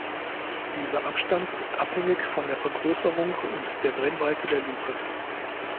Dieser Abstand ist abhängig von der Vergrößerung und der Brennweite der Lupe.